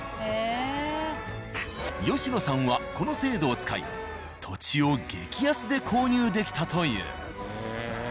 吉野さんはこの制度を使い土地を激安で購入できたという。